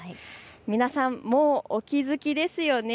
皆さん、もうお気付きですよね。